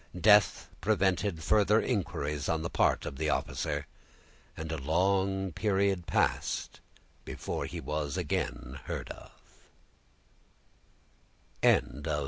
Death prevented further inquiries on the part of the officer, and a long period passed before he was again heard of.